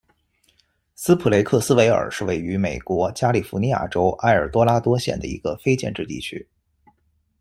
斯普雷克斯维尔是位于美国加利福尼亚州埃尔多拉多县的一个非建制地区。